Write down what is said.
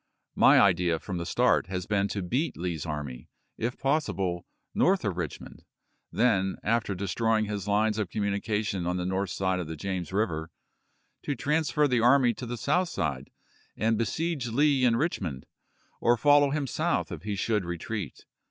.. My idea from the start has been to beat Lee's army, if possible, north of Richmond ; then, after destroying his lines of communication on the north side of the James River, to transfer the army to the south side and besiege Lee in Richmond, or SPOTSYLVANIA AND COLD HARBOR 407 follow him South if he should retreat.